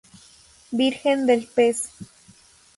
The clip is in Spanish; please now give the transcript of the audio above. Virgen del Pez.